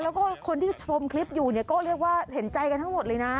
แล้วก็คนที่ชมคลิปอยู่เนี่ยก็เรียกว่าเห็นใจกันทั้งหมดเลยนะ